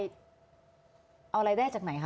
เอาอะไรได้จากไหนคะ